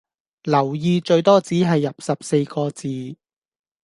留意最多只係入十四個字